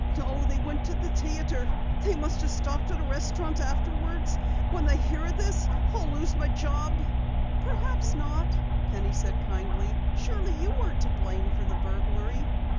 "No, they went to the theatre. They must have stopped at a restaurant afterwards. When they hear of this, I'll lose my job." "Perhaps not," said Penny kindly. "Surely you weren't to blame for the burglary."